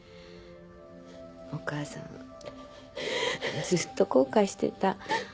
お母さんずっと後悔してた。